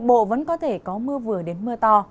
bộ vẫn có thể có mưa vừa đến mưa to